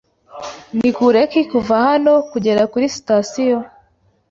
Ni kure ki kuva hano kugera kuri sitasiyo?